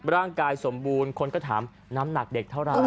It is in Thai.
ร่างกายสมบูรณ์คนก็ถามน้ำหนักเด็กเท่าไร